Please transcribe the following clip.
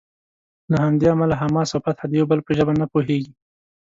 له همدې امله حماس او فتح د یو بل په ژبه نه پوهیږي.